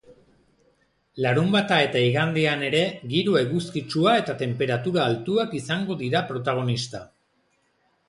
Larunbata eta igandean ere giro eguzkitsua eta tenperatu altuak izango dira protagonista.